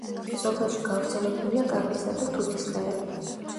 სოფელში გავრცელებულია კაკლისა და თუთის ხეები.